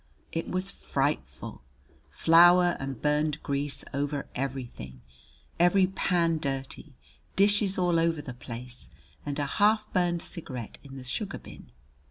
It was frightful flour and burned grease over everything, every pan dirty, dishes all over the place and a half burned cigarette in the sugar bin.